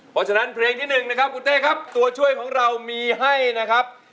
เพราะฉะนั้นเพลงที่๑นะครับคุณเต้ครับตัวช่วยของเรามีให้นะครับ